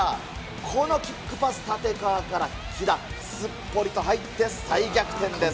このキックパス、立川から木田、すっぽりと入って、再逆転です。